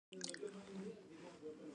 دوی غواړي چې نړۍ وېشنه بیا له سره پیل شي